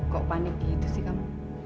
kok panik gitu sih kamu